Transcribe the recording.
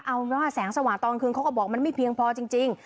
เอาเป็นว่าแสงสว่างตอนคืนเขาก็บอกมันไม่เพียงพอจริง